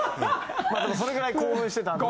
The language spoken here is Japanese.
でもそれぐらい興奮してたんで。